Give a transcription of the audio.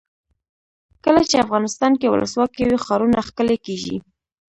کله چې افغانستان کې ولسواکي وي ښارونه ښکلي کیږي.